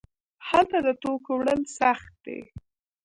هلته د توکو وړل سخت دي.